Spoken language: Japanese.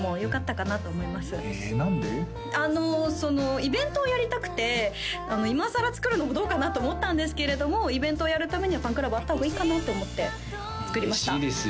イベントをやりたくて今さら作るのもどうかなと思ったんですけれどもイベントをやるためにはファンクラブあった方がいいかなと思って作りました嬉しいですよ